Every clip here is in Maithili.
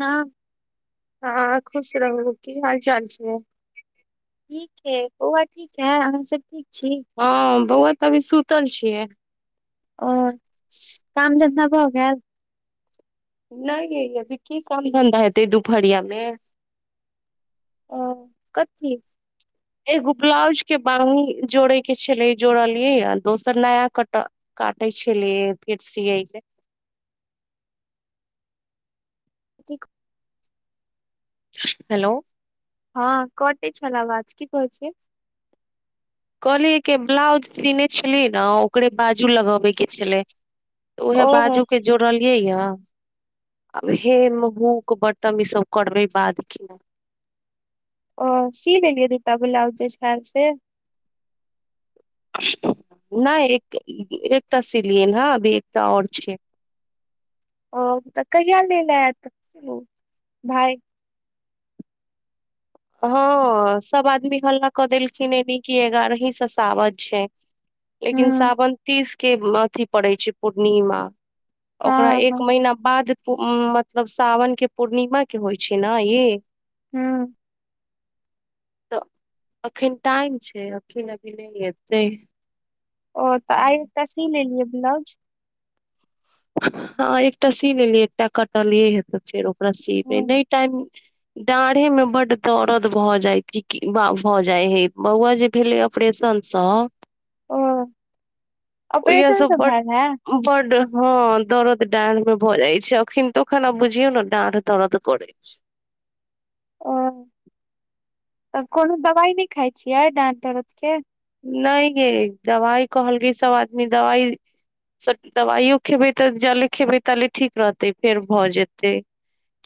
हां हँ खुश रहू की हाल चाल छै ठीक है बौआ ठीक है अहाँ सब ठीक छी हँ बहुआ। अभी सुतल छियै ओ काम धनधा भ गेल नहि य अभी की काम धन्धा हेतै दुपहरिया मे ओ कथी एगो ब्लाउज के बांगी जोड़े के छले जोड़लियै आ दोसर नया कट कटै छलिय लेफेर सियइ ठ [inaudible] हेलो हँ कटे छलआबाज। की कहलियै कहलिय के ब्लाउज सीने छलियै ने ओकरे बाजू लगबे की छलै उएह ओ बाजू के जोड़लियै या आब हेम हूक बटम ई सब करबे बाद कि ओ सी लेलियै दुटा ब्लाउज जे छैल से नहि एक एकटा सिलियन हँभ एकटा आओर छै ओ तऽ कहिया लैला एत उ भाई हँ सब आदमी हल्ला कऽ देलखिन एनी कि एगारही स सावन छै लेकिन हूँ सावन तीसके अथि पड़ै छै पूर्णिमा हँ ओकरा हँ एक महिना बाद मतलब सावनके पूर्णिमा के होइ छै न ई हँ तऽ एखन टाइम छै अखन अभी नै एतै ओ तऽ आइ एक टा सी लेलियै ब्लाउज हँ एकटा सी लेलिय एकटा कटलियै हे तऽ फेर ओकरा ओ सीबै नै टाइम डाढ़े मे बड्ड दरद भऽ जाय छै भऽ जाय है बौआ जे भेले अपरेसन स ओ ओहिया ऑपरेशन स सब बड भेल है बड हँ दरद डाँढ़ मे भऽ जाइ छै अखिनतो खाना बुझियौ न डाढ़ दरद करै छै ओ तऽ कोनो दवाइ नै खाइ छियै डाढ दरद के नै गै दवाइ कहलकै सब आदमी दवाइ सब दबाइयो खेबै तऽ जाले खेबै ताले ठीक रहतै फेर भऽ जेतै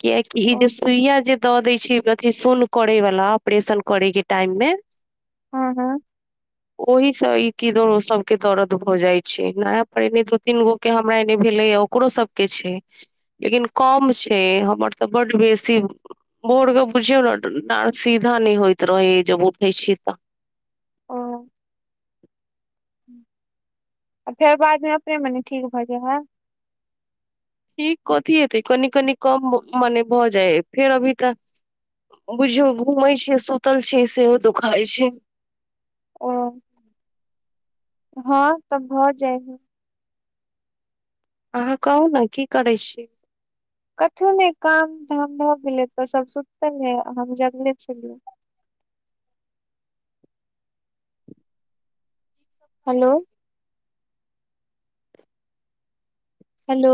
कियकि ई ओ जे सुइया जे द देय छै अथि सुन करैे वाला ऑपरेशन करै के टाइम मे हँ हँ ओहिसँ ई कि दुरो सबके दर्द भऽ जाइ छै नया पर एने दू तीन गो के हमरा एने भेलैया ओकरो सबके छै लेकिन कम छै हमर तऽ बड बेसी भोर क बुझियौ न डाढ सीधा नै होइत रहै है जब उठै छी तऽ ओ आ फेर बादमे अपने मने ठीक भऽ जाय है ठीक कथी हेतै कनि कनि कम मने भऽ जाय है फेर अभी तऽ बुझियौ घूमै छियै सुतल छियै सेहो दुखाय छै ओ हँ त भऽ जाए ह अहाँ कहू ने की करै छी कथु नै काम धाम भऽ गेलै त सब सुत है हम जगले छलियै हेलो हलो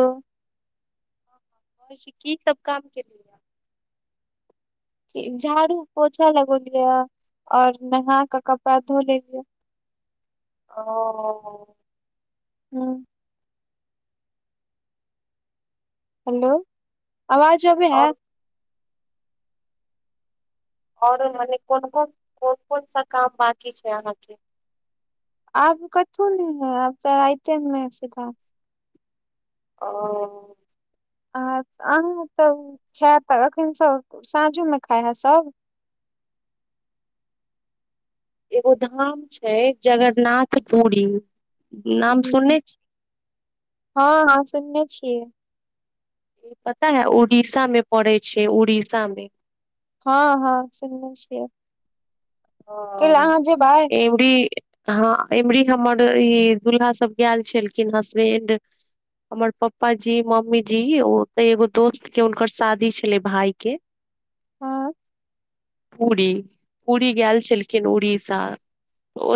की सब काम केलियै झाड़ू पोछा लगोलिए आओर नहा क कपड़ा धो लेलिया ओ हँ हेलो आवाज अबै हेए और आओर अने कोन कोन कोन कोन सा काम बकी छै अहाके आब कथु नै है आब चा राएते मे है सीधा ओ ह आ अहाँ त खाय तऽ अखन सब साँझो मे खाय हेए सब एगो धाम छै जगरनाथ पुरी नाम सुनने छी हँ हँ सुनने छियै ई पता है उड़ीसा मे पड़ै छै उड़ीसा मे हँ हँ सुनले छियै कैला अहाँ जेबाय इ हँ इमरी हमर ई दुल्हा सब गेएल छलखिन हँ सेन्ड हमर पप्पा जी मम्मी जी ओ तैऽ एगो दोस्त के हुनकर शादी छलै भाय के हँ पुरी गेएल छलखिन उड़ीसा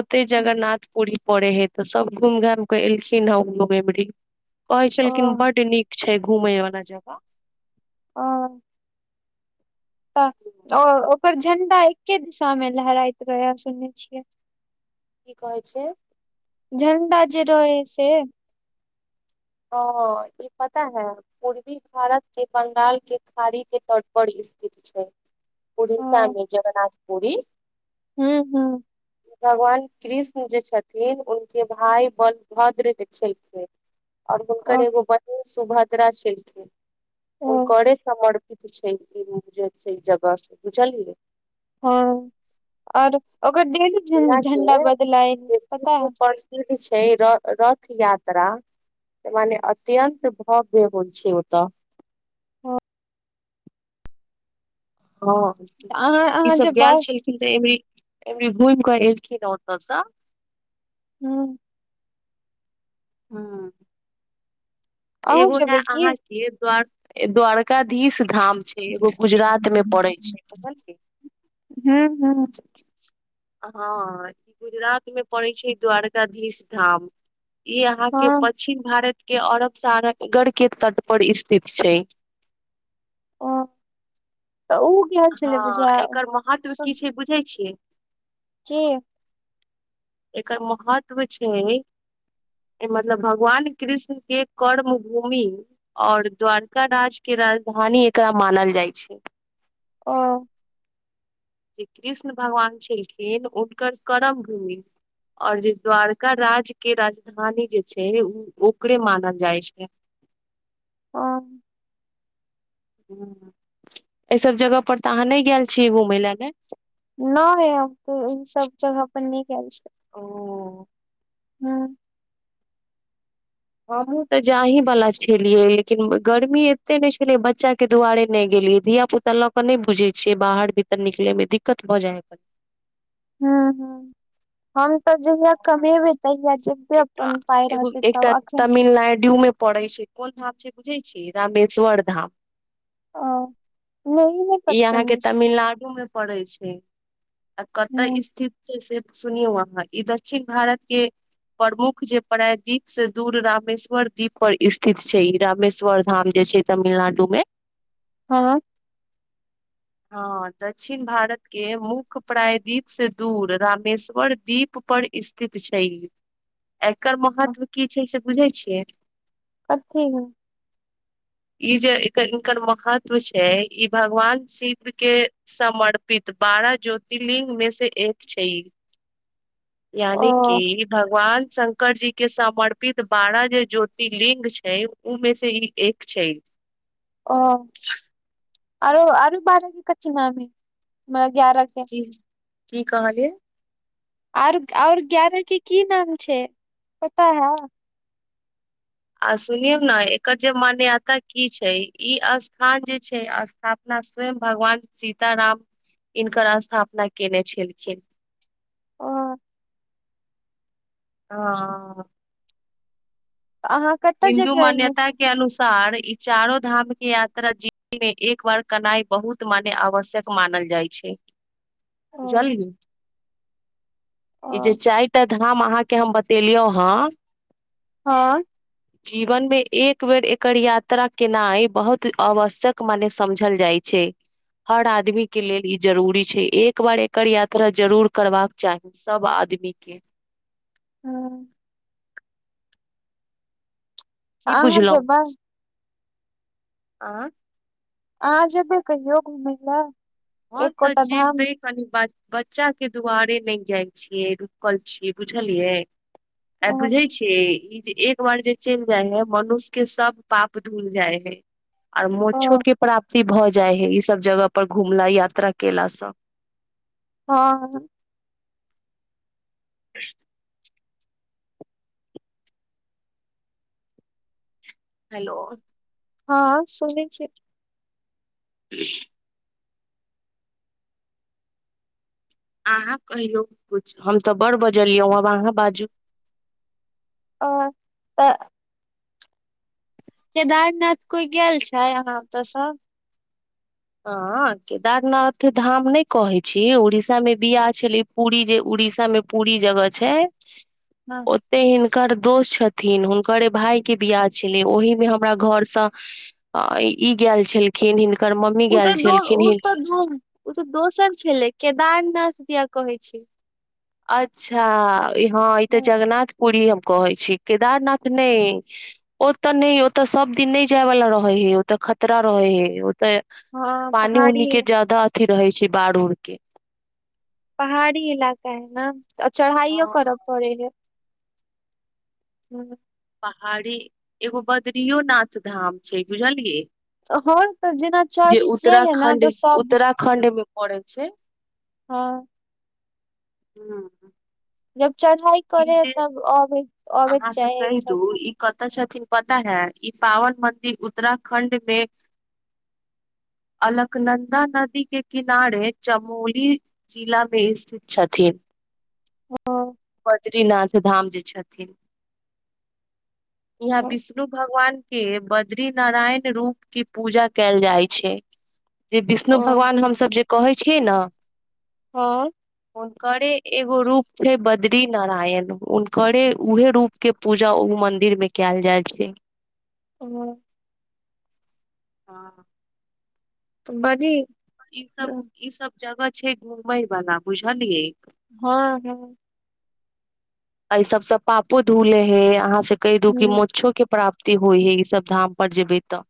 ओते जगरनाथ पुरी पड़े हे तऽ सब घुम घाम के एलखिन हेएबरी [inaudible] कहै ओ छलखिन बड्ड नीक छै घुमय वला जगह ओ तऽ की ओ ओकर झंणडा। एके दिशा मे लहराइत रहै सुन छियै की कहै छै झण्डा जे रहै से ओ ई पता है पूर्वी भारत के बंगाल के खाड़ी के तटपर स्थित छै परी सामी जगन्नाथ पुरी हू हू भगवान कृष्ण जे छथिन हुनके भाय बनभद्र लिखेलखिन और हुनकर एगो बहिन सुभद्रा छलखिन हँ हुनके समर्प क छै ई जे छै जगह से बुझलियै हँ आओर ओकर डेली यहाँ के झण्डा बदलय जे विश्व पताहौ प्रसिद्ध छै रथ यात्रा मने अत्यन्त भव्य होइ छै ओ तऽ ह हँ अहाँ ई अहाँ सब जेबै गेल छै यहिबेरनधुमि अलिखिन तो स हूँ हँ अहूँ एगो लय जेबै की अहाँके द्वार द्वारक एकाधीश धाम छै एगो गुजरात मे पड़ै छैझल हँ हँ हँ ई गुजरात मे पड़ै छै द्वारकाधीश धाम ई अहाँ के हँ पच्चछिम भारत के अरब सगर के तट पर स्थित छै ओ त ओ गेल छलै हँ बुझा एकर महत्व सब की छै बुझै छियै की एकर महत्व छै मतलब भगवान कृष्ण के कर्म भूमि और द्वारका राज के राजधानी एकरा मानल जाइ छै ओ जे कृष्ण भगवान छलखिन हुनकर करम भूमि और जे द्वारका राज्य के राजधानी जे छै ओ ओकरे मानल जाइ छै ह एहि सब जगह परर तऽ अहाँ नहि गेल छियै घुमय लए ग न हि सब जगह पर न गेल छि ओ हँ हमहूँ तऽ जाहिीवला छलियै लेकिन गर्मी एतेक नहि छलै बच्चाके दुआरे नहि गेलियै धिय पुता तऽ लऽ के नहि बुझे छियै बाहर भीर तरनिकले में दिक्कत भऽ जाय ह हू ह हम तऽ जहिय है कमी भिनतैए जब भी अपन अपन पइ रहतै तब अखन मिलनाई जुल पड़ै छै कोन धाम छै बुझै छीयै रामेश्वर धाम अ नै ई नै इ अहाँकेँ तमिलनाडु में पड़े छै आ कत हम्म, स्थिति से सुनियौ अहाँ ई दक्षिण भारत केँ प्रमुख जे प्राय दीप से दूर रामेश्वर दीप पर स्थित छै ई रामेश्वर धाम जे छै तमिलनाडु में [inaudible] ह [inaudible] ह दक्षिण भारत केँ मुख्य प्राय द्वीप से दूर रामेश्वर दीप पर स्थित छै ई एकर महत्व की छै से बुझै छियै कथी ह [inaudible] ई जे एकर इनकर महत्व छै ई भगवान शिव केँ समर्पित बारह ज्योतिर्लि्ंग में से एक छै ओ यानि कि भगवान शंकर जी केँ समर्पित बारह जे ज्योतिर्लिंग छै उमे से ई एक छै अ [inaudible] आरो आरो बारह केँ कथी नाम है हम एग्यारह केँ ती [inaudible] की कहल आर और एग्यारह केँ की नाम छै पता है आ सुनियऔ न एकर जे मान्यता की छै ई स्थान जे छै स्था पन स्वयं भगवान सीत राम हिनकर स्थापना केने छलखिन ओ हऽ अहाँ कतऽ हिन्दू जेबै एहिमे मान्यता से केँ अनुसार सार ई चारो धाम केँ यात्रा जीवन में एक बार कनाई बहुत मान आवश्यक मानल जाइ छै [unintelligible] बुझलही [inaudible] ओ ई जे चाइर टा धाम अहाँ केँ हम बतेलियौ हँ हँ जीवन में एक बेर एकर यात्रा केनाइ बहुत आवश्यक मने समझल जाइ छै हर आदमी केँ लेल ई जरूरी छै एक बार एकर यात्रा जरूर करबाक चाही सब आदमी केँ हू तऽ की अहाँ बुझलौ जेबै [inaudible] आ अहाँ जेबै कहियो घुमय लए [inaudible] हँ तऽ एकोटा धाम जेबै कनि ब बच्चा केँ दुआारे नै जाय छियै रुकल छियै बुझलियै अ ओ बुझै छियै ई जे एक एक बार जे चैल जाय है मनुष केँ सब पाप धूल जाय है आर मोछो ओ केँ प्राप्ति भऽ जाय है ई सब जगह पर घुमला यात्रा केलासँ हँ [unintelligible] हेलो हँ सुनै छियै [unintelligible] अहाँ कहियौ कुछ हम तऽ बड़ बजलियौ आब अहाँ बाजू अ तऽ केदारनाथ कोइ गैल छै अहाँ अतऽ सँ हँ केदारनाथ धाम नय कहै छी उड़ीसा मे बियाह छेले पूरी जे उड़ीसा मे पूरी जगह छै हँ ओते हिनकर दोस्त छथिन हुनकरे भाय केँ बियाह छलै ओहिमे हमरा घरसँ अ - ई - ई गैल छलखिन हिनकर मम्मी उ तऽ गेल दो - उ छलखिन तऽ दो - उ तऽ दोसर छले केदारनाथ दिया कहे छै अच्छा हा ई तऽ जगनाथ पुरी हम कहै छी केदारनाथ नै ओतऽ नय ओतऽ सब दिन नय जाय वाला रहे हय ओतऽ खतरा रहे हय ओतऽ हँ पानि उनी पहाड़ी केँ जाददा अथि रहे छै बाढ़ उढ़ केँ पहाड़ी इलाका हई नऽ आ चढ़ाइयो करऽ हँ पड़े यऽ हुँ पहाड़ी एगो बदरिओनाथ धाम छै बुझलियै ह तऽ जेना चाहि जाय लऽ नऽ तऽ सब खण्डे मे पड़ैत छै हँ हुँ जब चढ़ाई करै यऽ तब अबैत अबैत अहाँ सब जाय हई कहि ई दू सब धाम ई कतऽ छथिन पता हैय ई पावन मदिर उत्तराखंड मे अलकनन्दा नदी केँ किनारे चमोली जिलामे स्थित छथिन हँ बद्रीनाथ धाम जे छथिन यहाँ विष्णु भगवान केँ बद्री नारायण रूप की पूजा कैल जाय छै जे विष्णु ओ भगवान हमसभ जे कहै छियै नऽ हँ हुनकरे एगो रूप छै ब द्री नारायण हुनकरे उहे रूप केँ पूजा उ मंदिर मे कैल जाय छै ओ हो हँ तऽ बड़ी ई सब हँ ई सब जगह छै घुमय वला बुझलियै हँ हँ एहि सब सँ पापो धुले हइ अहाँ से कइ दूखी मछो केँ प्रा प्ती होइ - हई ई सब धाम पर जेबै तऽ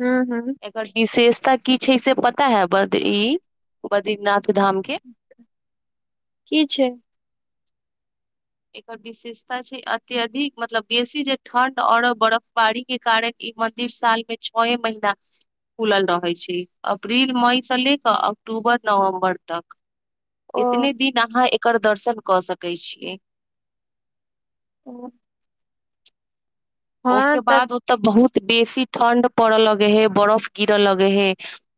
हुँ हुँ एकर विशेषता की छै से पता है बद ई बद्रीनाथ धाम केँ की छै एकर विस विशेषता छै अत्यधिक मतलब बेसी जे ठणड अरफ बर्फबारी केँ कारण ई मंदिर साल मे छए महिना खुलल रहै छै अप्रील, मई से ले कऽ अक्टूबर, नवम्बर तक ओ एतने दिन अहाँ एकर दर्शन कऽ सकै छियै ओँ ओहिके तऽ बाद ओतऽ बहुत बेसी ठण्ड पड़ऽ लगे हे बरफ गिरऽ लगे हे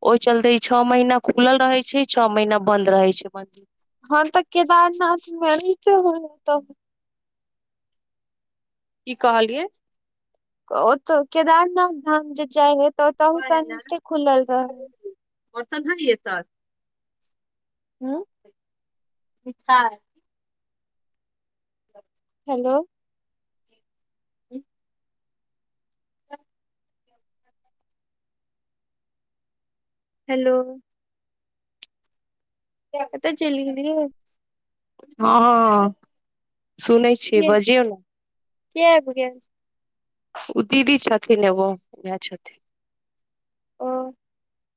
ओहि चलते ई छओ महीना खुलल रहे छै छओ महीना बंद रहे छै मन्दिर हँ तऽ केदारनाथ मे त ह त की कहलियै ओतऽ केदारनाथ धाम जे जाय हय तऽ ओतहु त नीचे खुलल रह अर्थान नहि एत हम पिठार हेलो हम हेलो कएतऽ चेल गेल हँ सुनै छीियै बजियौ ने किएब किया छै ओ दीदी छथि ने ओो ग छथि ओ